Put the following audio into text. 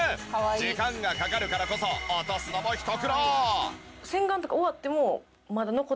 時間がかかるからこそ落とすのもひと苦労。